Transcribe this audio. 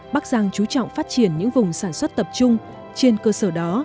bắc giang chú trọng phát triển những vùng sản xuất tập trung trên cơ sở đó